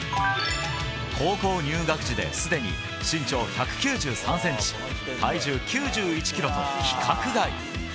高校入学時で、すでに身長１９３センチ、体重９１キロと、規格外。